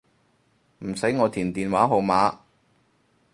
唔使我填電話號碼